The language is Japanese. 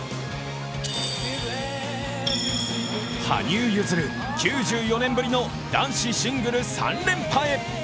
羽生結弦、９４年ぶりの男子シングル３連覇へ。